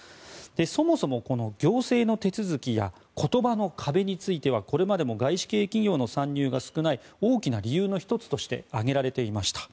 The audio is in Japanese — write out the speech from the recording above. そもそもこの行政の手続きや言葉の壁についてはこれまでも外資系企業の参入が少ない大きな理由の１つとして挙げられていました。